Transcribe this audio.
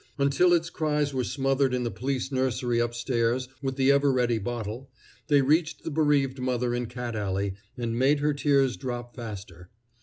Until its cries were smothered in the police nursery up stairs with the ever ready bottle, they reached the bereaved mother in Cat Alley and made her tears drop faster.